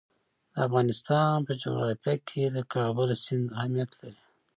د افغانستان په جغرافیه کې د کابل سیند اهمیت لري.